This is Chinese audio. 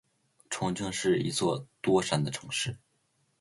重庆是一座多山的城市。